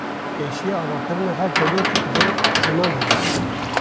pêşiya avakirina her dewletêkî de ziman heye